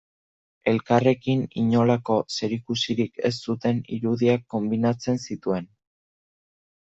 Elkarrekin inolako zerikusirik ez zuten irudiak konbinatzen zituen.